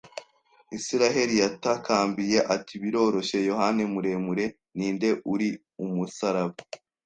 Isiraheli yatakambiye ati: “Biroroshye, Yohani muremure. “Ninde uri umusaraba?”